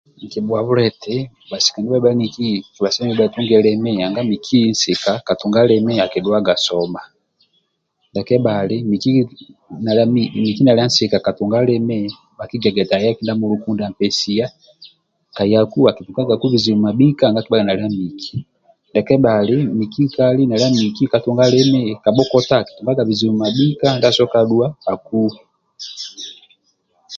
Nkibhuhabula eti bhasiaka ndiabha bhalia bhaniki ka bhasemelelu bhatunge limi nanga miki nsika katunga limi akidhuaga soma ndia kebhali miki nalia nsika kayunga limi bhakigiaga eti aye kindia muluku mindia ampesia kalaku akitungaga bizibu mabhika nanga akibhaga nalia miki ndia kebhali miki nkali nalia miki katunga limi kabhokotaki akitungaga bizibu mabhika ndia asiboka dhuwa akuwa